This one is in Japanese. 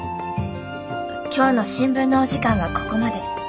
今日の新聞のお時間はここまで。